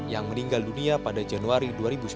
yang meninggal dunia pada januari dua ribu sembilan belas